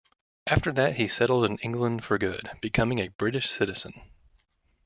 After that he settled in England for good, becoming a British citizen.